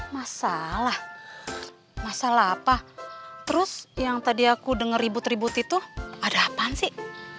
masalah masalah apa terus yang tadi aku dengar ribut ribut itu ada apaan sih